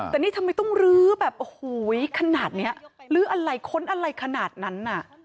แต่นี่ทำไมต้องลื้อแบบโอ้โหขนาดนี้ลื้ออะไรค้นอะไรขนาดนั้นน่ะ